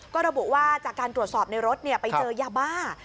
ก็ระบุว่าจากการตรวจสอบในรถไปเจอยาบ้า